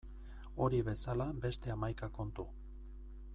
Hori bezala beste hamaika kontu.